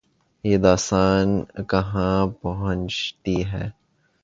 یہ داستان کہاں پہنچتی ہے۔